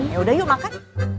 yaudah yuk makan